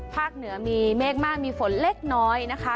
เหนือมีเมฆมากมีฝนเล็กน้อยนะคะ